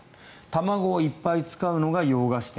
卵をいっぱい使うのが洋菓子店。